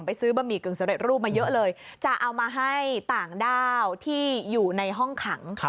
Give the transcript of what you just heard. ซื้อบะหมี่กึ่งสำเร็จรูปมาเยอะเลยจะเอามาให้ต่างด้าวที่อยู่ในห้องขัง